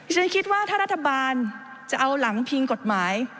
ฉันคิดว่าถ้ารัฐบาลจะเอาหลังพิงกฎหมาย